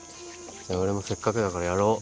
じゃあ俺もせっかくだからやろう。